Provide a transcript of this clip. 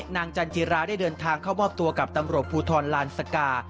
นางจันทรีย์ราได้เดินทางเข้าบ้อบตัวกับตำรวจภูทรลานซักกา